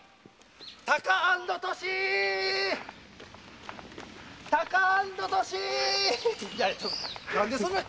タカアンドトシー！